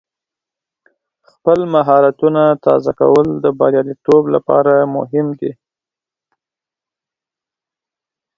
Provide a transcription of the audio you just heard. خپل مهارتونه تازه کول د بریالیتوب لپاره مهم دی.